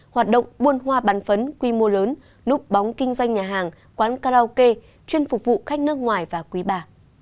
hoạt động buôn hoa bán phấn quy mô lớn núp bóng kinh doanh nhà hàng quán karaoke chuyên phục vụ khách nước ngoài và quý ba